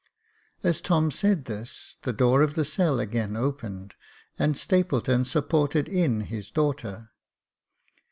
As Tom said this, the door of the cell again opened, and Stapleton supported in his daughter.